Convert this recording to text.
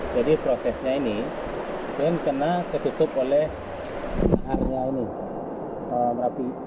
jadi prosesnya ini itu yang kena ketutup oleh arungnya ini